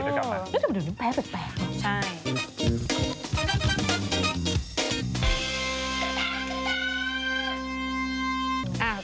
เหมือนว่าเรื่องนี้แพ้แปลก